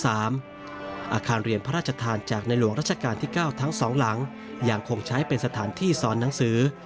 อาคารเรียนพระราชทานจากในหลวงราชการที่๙ทั้ง๒หลังยังคงใช้เป็นสถานที่สอนหนังสือ